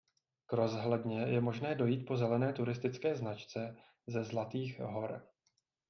K rozhledně je možné dojít po zelené turistické značce ze Zlatých Hor.